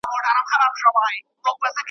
د ملا تر زړه وتلې د غم ستني `